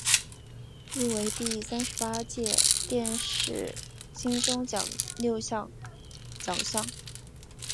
入围第三十八届电视金钟奖六项奖项。